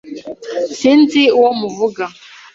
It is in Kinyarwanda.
Sinzi uwo muvuga.